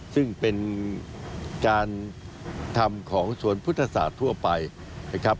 ซึ่งเป็นการทำของสวนพุทธศาสตร์ทั่วไปนะครับ